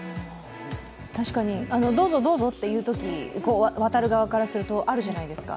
確かに、どうぞどうぞって言うとき、渡る側からするとあるじゃないですか。